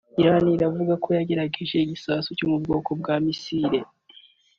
Irani iravuga ko yagerageje igisasu cyo mu bwoko bwa misile